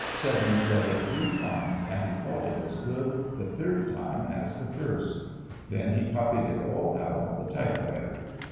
Severne read it three times, and he thought it as good the third time as the first. Then he copied it all out on the typewriter.